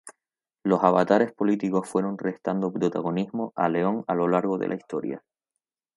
Los avatares políticos fueron restando protagonismo a León a lo largo de la historia.